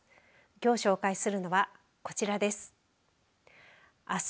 きょう紹介するのはこちらです。